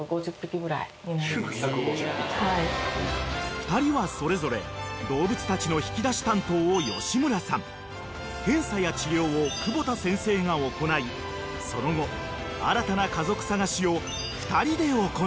［２人はそれぞれ動物たちの引き出し担当を吉村さん検査や治療を久保田先生が行いその後新たな家族探しを２人で行う］